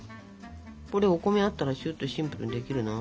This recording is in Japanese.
これお米あったらしゅっとシンプルにできるな。